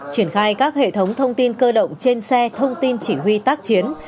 triển khai các hệ thống thông tin cơ động trên xe thông tin chỉ huy tác chiến